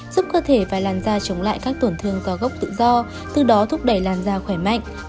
giúp cơ thể phải làn da chống lại các tổn thương do gốc tự do từ đó thúc đẩy làn da khỏe mạnh